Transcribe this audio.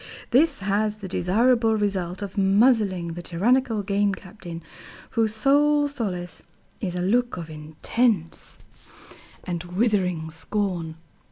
This has the desirable result of muzzling the tyrannical Game Captain, whose sole solace is a look of intense and withering scorn.